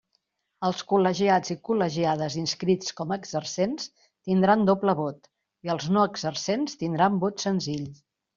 Els col·legiats i col·legiades inscrits com a exercents tindran doble vot, i els no exercents tindran vot senzill.